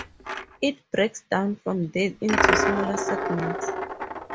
It breaks down from there into smaller segments.